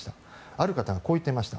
ある方はこう言っていました。